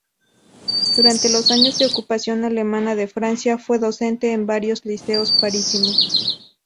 Durante los años de ocupación alemana de Francia, fue docente en varios liceos parisinos.